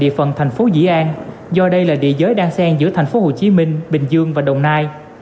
đây là địa phần thành phố dĩ an do đây là địa giới đang sen giữa thành phố hồ chí minh bình dương và đồng nai